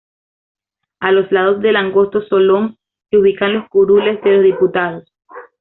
A los lados del angosto solón se ubican los curules de los Diputados.